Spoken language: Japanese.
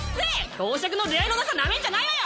教職の出会いのなさなめんじゃないわよ！